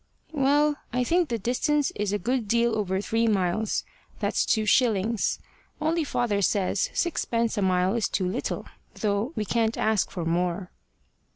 "Well, I think the distance is a good deal over three miles that's two shillings. Only father says sixpence a mile is too little, though we can't ask for more."